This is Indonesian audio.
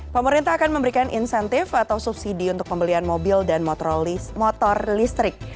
pemerintah akan memberikan insentif atau subsidi untuk pembelian mobil dan motor listrik